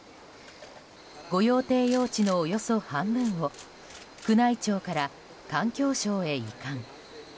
御用邸用地のおよそ半分を宮内庁から環境省へ移管。